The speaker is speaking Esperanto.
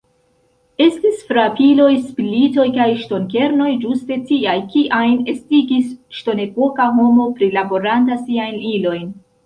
Estis frapiloj, splitoj kaj ŝtonkernoj, ĝuste tiaj, kiajn estigis ŝtonepoka homo prilaboranta siajn ilojn.